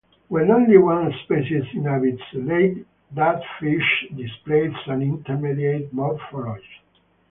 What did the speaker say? When only one species inhabits a lake, that fish displays an intermediate morphology.